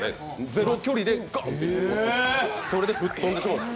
ゼロ距離でガンって、それで吹っ飛んでしまう。